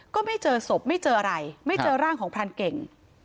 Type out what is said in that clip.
ก็ไม่เจอศพไม่เจออะไรไม่เจอร่างของพรานเก่ง